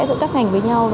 giữa các ngành với nhau